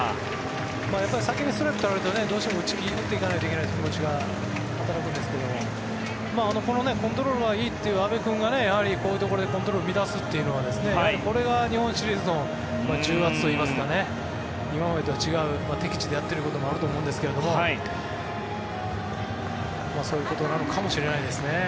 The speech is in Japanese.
やっぱり先にストライクを取られると打ち気に打っていかないといけないという気持ちが働くんですけどこのコントロールがいいという阿部君がやはりこういうところでコントロールを乱すというのはこれが日本シリーズの重圧といいますか今までとは違う敵地でやってるということもあると思うんですがそういうことなのかもしれないですね。